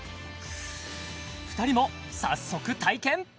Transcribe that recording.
２人も早速体験！